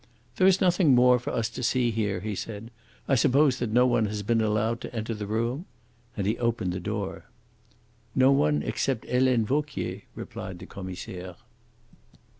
"There is nothing more for us to see here," he said. "I suppose that no one has been allowed to enter the room?" And he opened the door. "No one except Helene Vauquier," replied the Commissaire.